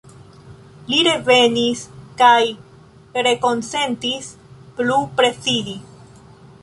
Li revenis kaj rekonsentis plu prezidi.